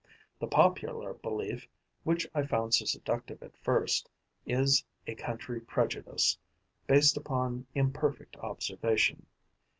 The popular belief, which I found so seductive at first, is a country prejudice, based upon imperfect observation.